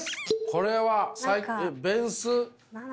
これはベンス？